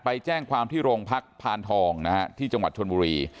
ไปแจ้งความที่โรงพักพานทองนะฮะที่จังหวัดชนบุรี